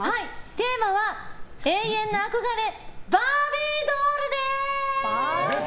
テーマは永遠の憧れバービードールです！